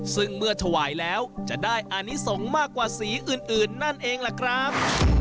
ซึ่งเมื่อถวายแล้วจะได้อานิสงฆ์มากกว่าสีอื่นนั่นเองล่ะครับ